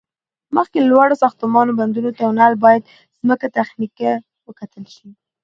مخکې له لوړو ساختمانو، بندونو، تونل، باید ځمکه تخنیکی وکتل شي